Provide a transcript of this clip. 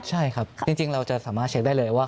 ใช่ครับจริงเราจะสามารถเช็คได้เลยว่า